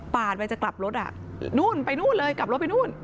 ไปจะกลับรถอ่ะนู่นไปนู่นเลยกลับรถไปนู่น